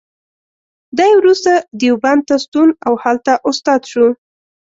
دی وروسته دیوبند ته ستون او هلته استاد شو.